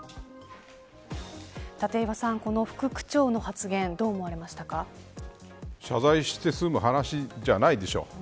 立岩さん、この副区長の発言どう謝罪して済む話じゃないでしょう。